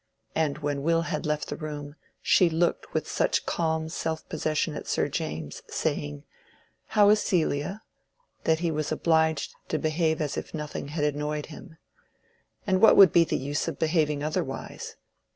And when Will had left the room, she looked with such calm self possession at Sir James, saying, "How is Celia?" that he was obliged to behave as if nothing had annoyed him. And what would be the use of behaving otherwise?